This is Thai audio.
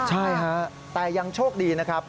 ใช่ฮะแต่ยังโชคดีนะครับ